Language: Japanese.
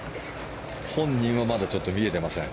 本人はまだちょっと見えてません。